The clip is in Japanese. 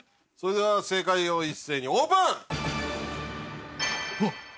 それでは正解を一斉にオープン！